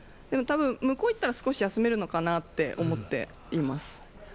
多分向こう行ったら少し休めるのかなって思っています。